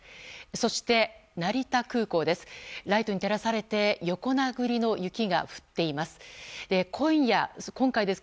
そして成田空港です。